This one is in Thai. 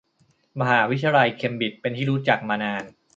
มหาวิทยาลัยเคมบริดจ์เป็นที่รู้จักมานาน